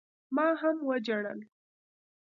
ما هم وجړل.